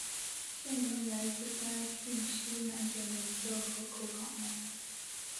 县名来自该郡西南角的一个河口港湾。